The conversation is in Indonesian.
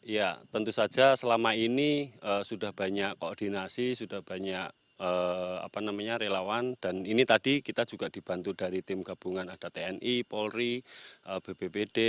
ya tentu saja selama ini sudah banyak koordinasi sudah banyak relawan dan ini tadi kita juga dibantu dari tim gabungan ada tni polri bbbd